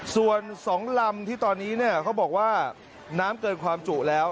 ส่วน๒ลำที่ตอนนี้เนี่ยเขาบอกว่าน้ำเกินความจุแล้ว